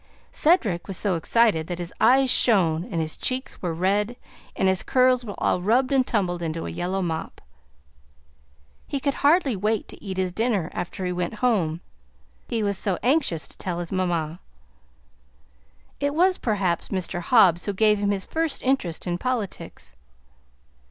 Cedric was so excited that his eyes shone and his cheeks were red and his curls were all rubbed and tumbled into a yellow mop. He could hardly wait to eat his dinner after he went home, he was so anxious to tell his mamma. It was, perhaps, Mr. Hobbs who gave him his first interest in politics.